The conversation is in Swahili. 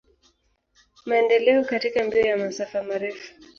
Maendeleo katika mbio ya masafa marefu.